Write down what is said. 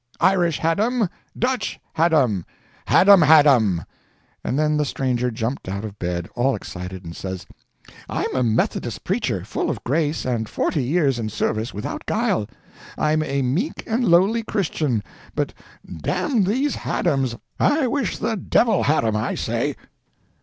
"Irish Haddam!" "Dutch Haddam!" "Haddam Haddam!" and then the stranger jumped out of bed all excited and says: "I'm a Methodist preacher, full of grace, and forty years in service without guile! I'm a meek and lowly Christian, but d—n these Haddams, I wish the devil had 'em, I say!"